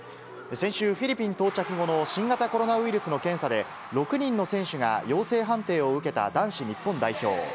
先週、フィリピン到着後の新型コロナウイルスの検査で、６人の選手が陽性判定を受けた男子日本代表。